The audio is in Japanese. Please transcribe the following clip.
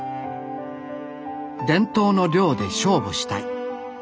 伝統の漁で勝負したい。